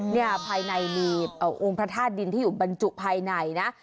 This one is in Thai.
ภายในมีองค์พระธาตุดินที่อยู่บรรจุภายในนะ